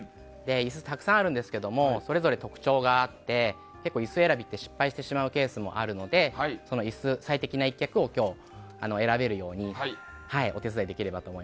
椅子、たくさんあるんですがそれぞれ特徴があって結構、椅子選びって失敗してしまうケースがあるので最適な１脚を今日選べるようにうれしい。